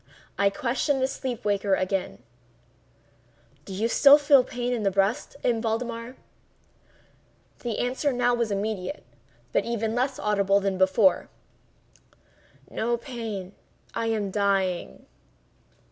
I questioned the sleep waker again: "Do you still feel pain in the breast, M. Valdemar?" The answer now was immediate, but even less audible than before: "No pain—I am dying."